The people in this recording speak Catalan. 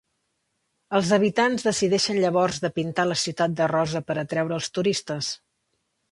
Els habitants decideixen llavors de pintar la ciutat de rosa per atreure els turistes.